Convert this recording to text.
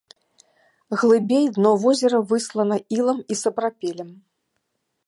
Глыбей дно возера выслана ілам і сапрапелем.